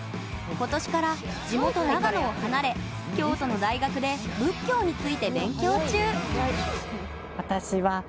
今年から地元・長野を離れ京都の大学で仏教について勉強中。